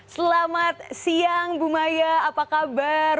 selamat siang bu maya apa kabar